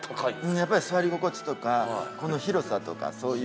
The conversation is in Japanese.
やっぱり座り心地とかこの広さとかそういう。